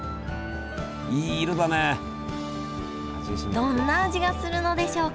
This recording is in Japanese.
どんな味がするのでしょうか？